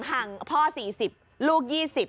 ห่างพ่อ๔๐ลูก๒๐